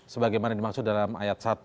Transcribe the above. sebagaimana dimaksud dalam ayat satu